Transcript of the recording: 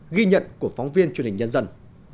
ghi nhận của phóng viên truyền hình nhân dân